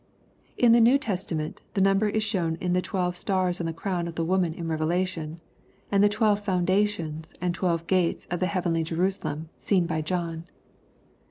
In the New Testament, the number is shown in the twelve stars on the crown of the woman in Revelation, — and the twelve foundations, and twelve gates of the heavenly Jerusa lem, seen by John.